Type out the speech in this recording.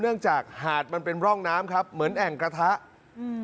เนื่องจากหาดมันเป็นร่องน้ำครับเหมือนแอ่งกระทะอืม